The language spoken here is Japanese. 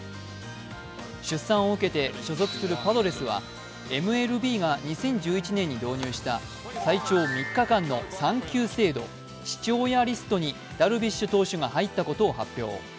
出産を受けて所属するパドレスはＭＬＢが２０１１年に導入した、最長３日間の産休制度＝父親リストにダルビッシュ投手が入ったことを発表。